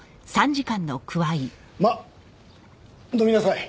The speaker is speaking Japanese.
まあ飲みなさい。